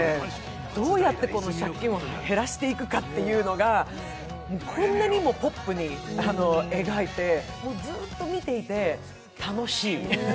どうやってこの借金を減らしていくかというのがこんなにもポップに描いて、ずーっと見ていて楽しい。